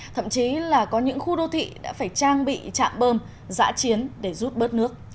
thậm chí là có những khu đô thị đã phải trang bị chạm bơm giã chiến để rút bớt nước